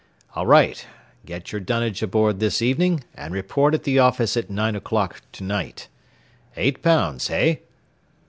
"All right; get your dunnage aboard this evening and report at the office at nine o'clock to night. Eight pounds, hey?"